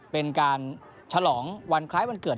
เป็นการฉลองวันคล้ายวันเกิด